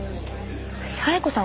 冴子さん